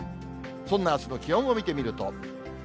そんなあすの気温を見てみると。